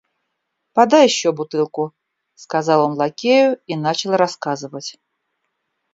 Подай еще бутылку, — сказал он лакею и начал рассказывать.